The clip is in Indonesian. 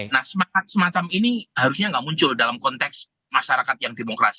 nah semangat semacam ini harusnya nggak muncul dalam konteks masyarakat yang demokrasi